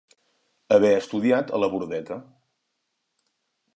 Haver estudiat a la Bordeta.